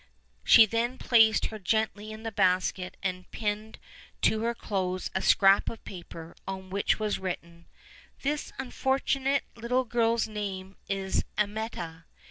She then placed her gently in the basket, and pinned to her clothes a scrap of paper, on which was written: "This unfortunate little girl's name is Amietta."